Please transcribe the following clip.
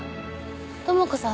朋子さん